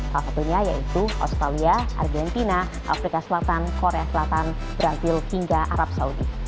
salah satunya yaitu australia argentina afrika selatan korea selatan brazil hingga arab saudi